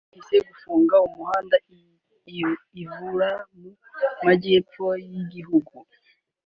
bahisemo gufunga umuhanda i Uvira mu Majyepfo y’igihugu